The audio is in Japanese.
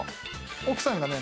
奥さんがね